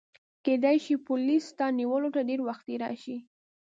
کیدای شي پولیس ستا نیولو ته ډېر وختي راشي.